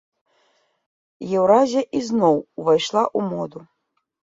Еўразія ізноў увайшла ў моду.